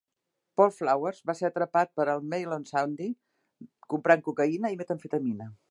Paul Flowers va ser atrapat pel "Mail on Sunday" comprant cocaïna i metamfetamina.